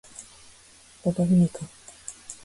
馬場ふみか